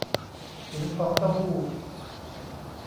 หินฟองเต้าหู้